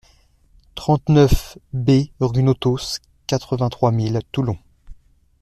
trente-neuf B rue Notos, quatre-vingt-trois mille Toulon